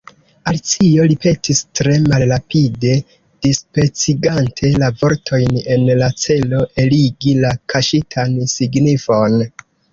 Alicio ripetis tre malrapide, dispecigante la vortojn en la celo eligi la kaŝitan signifon.